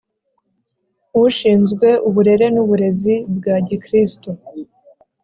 Ushinzwe uburere n uburezi bwa gikristo